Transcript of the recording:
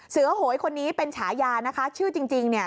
โหยคนนี้เป็นฉายานะคะชื่อจริงเนี่ย